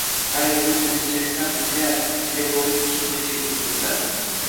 har yili bir yuz sakson milliard yevrolik kiyim-kechak import qiladi.